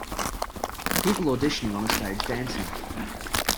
People auditioning on a stage dancing.